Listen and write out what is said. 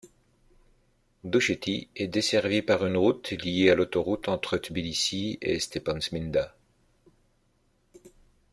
Doucheti est desservie par une route liée à l'autoroute entre Tbilissi et Stepantsminda.